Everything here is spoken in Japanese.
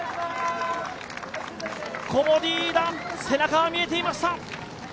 コモディイイダ、背中が見えていました。